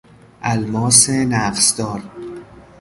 الماس نقصدار